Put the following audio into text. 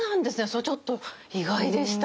それはちょっと意外でした。